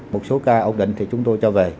một số ca ổn định thì chúng tôi cho về